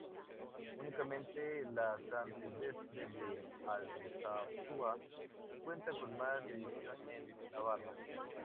Únicamente la San Silvestre de Alsasua cuenta con más ediciones en Navarra.